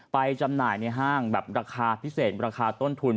จำหน่ายในห้างแบบราคาพิเศษราคาต้นทุน